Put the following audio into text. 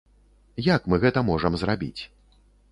Як мы гэта можам зрабіць?